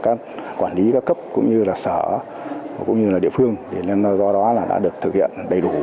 các quản lý các cấp cũng như là sở cũng như là địa phương để do đó là đã được thực hiện đầy đủ